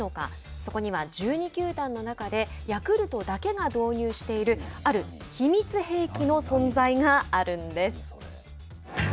そこには１２球団の中でヤクルトだけが導入しているある秘密兵器の存在があるんです。